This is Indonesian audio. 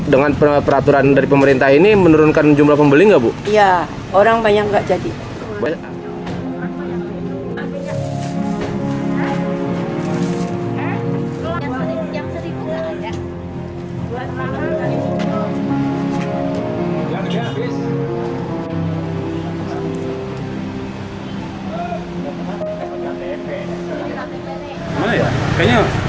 dengan peraturan dari pemerintah ini menurunkan jumlah pembeli enggak bu ya orang banyak enggak